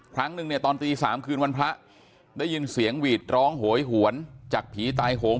ครั้งนึงเนี่ยตอนตี๓คืนวันพระได้ยินเสียงหวีดร้องโหยหวนจากผีตายโหง